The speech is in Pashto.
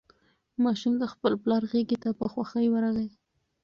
ماشوم د خپل پلار غېږې ته په خوښۍ ورغی.